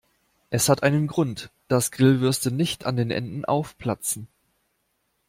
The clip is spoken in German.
Es hat einen Grund, dass Grillwürste nicht an den Enden aufplatzen.